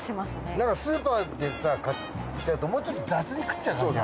なんかスーパーでさ買っちゃうともうちょっと雑に食っちゃう感じ。